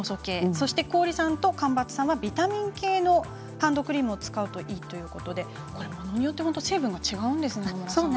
そして、氷さんと干ばつさんはビタミン系のハンドクリームを使うといいということでものによって成分が違うんですね。